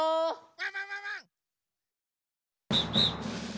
・ワンワンワンワン！